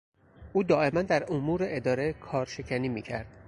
او دائما در امور اداره کار شکنی میکرد.